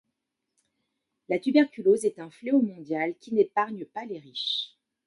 La tuberculose est un fléau mondial qui n'épargne pas les riches.